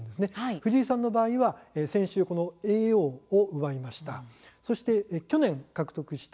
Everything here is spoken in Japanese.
藤井さんの場合は先週この叡王を奪いました。